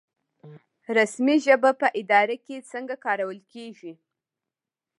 رسمي ژبې په اداره کې څنګه کارول کیږي؟